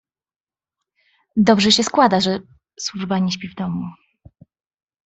"Dobrze się składa, że służba nie śpi w domu."